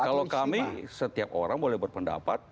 kalau kami setiap orang boleh berpendapat